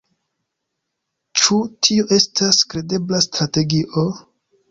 Ĉu tio estas kredebla strategio?